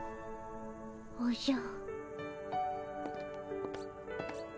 おじゃ。